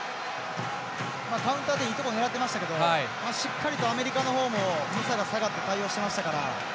カウンターでいいところを狙ってましたけどしっかりとアメリカの方もムサが下がって対応していましたから。